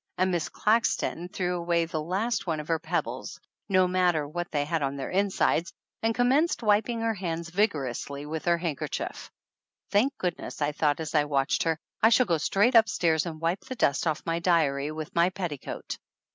And Miss Claxton threw away the last one of her pebbles, no matter what they 210 THE ANNALS OF ANN had on their insides, and commenced wiping her hands vigorously with her handkerchief. "Thank goodness!" I thought as I watched her. "I shall go straight up stairs and wipe the dust off my diary with my petticoat